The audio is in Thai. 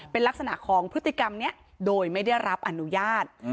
เป็นลักษณะของพฤติกรรมนี้โดยไม่ได้รับอนุญาต